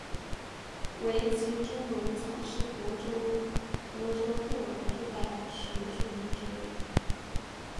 维奇猪笼草是婆罗洲特有的热带食虫植物。